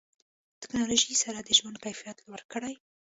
ټکنالوژي سره د ژوند کیفیت لوړ کړئ.